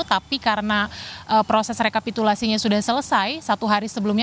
tapi karena proses rekapitulasinya sudah selesai satu hari sebelumnya